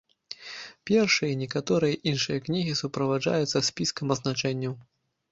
Першая і некаторыя іншыя кнігі суправаджаюцца спіскам азначэнняў.